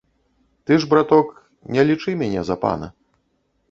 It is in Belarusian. Ты ж, браток, не лічы мяне за пана.